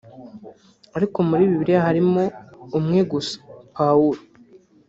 ariko muri Bibiliya harimo umwe gusa ‘Pawulo’